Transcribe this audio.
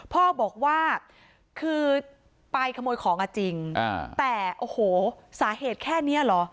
พ่อบอกว่าคือไปขโมยของอ่ะจริงแต่โอ้โหสาเหตุแค่นี้เหรอ